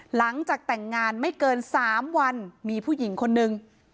หลังจากแต่งงานไม่เกิน๓วันมีผู้หญิงคนนึง